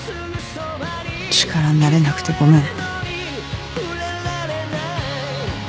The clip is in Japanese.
力になれなくてごめん。